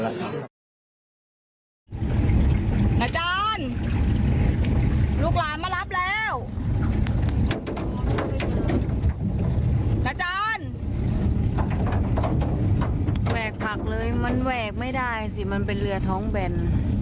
อาจารย์แหวกผักเลยมันแหวกไม่ได้สิมันเป็นเรือท้องแบน